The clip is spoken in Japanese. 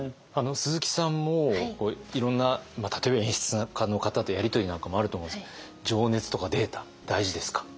鈴木さんもいろんな例えば演出家の方とやり取りなんかもあると思うんですけど情熱とかデータ大事ですか？